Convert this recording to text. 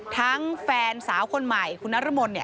ทั้งแฟนสาวคนใหม่คุณนรมนท์